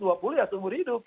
harus umur hidup